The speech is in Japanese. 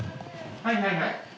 はいはいはい。